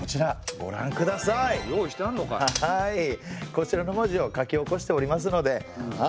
こちらの文字を書き起こしておりますので。